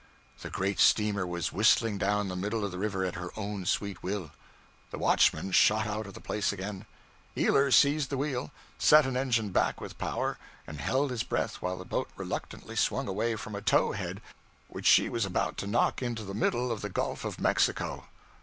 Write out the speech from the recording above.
The great steamer was whistling down the middle of the river at her own sweet will! The watchman shot out of the place again; Ealer seized the wheel, set an engine back with power, and held his breath while the boat reluctantly swung away from a 'towhead' which she was about to knock into the middle of the Gulf of Mexico!